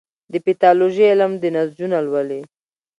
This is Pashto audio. د پیتالوژي علم د نسجونه لولي.